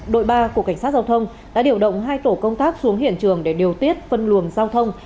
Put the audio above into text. đội ba của cảnh sát giao thông đã điều động hai tổ công tác xuống hiện trường để điều tiết phân luồng giao thông